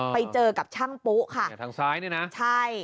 ไปเจอกับช่างปุ๊ค่ะเนี่ยทางซ้ายเนี่ยนะใช่